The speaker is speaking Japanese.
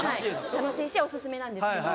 楽しいしお薦めなんですけど。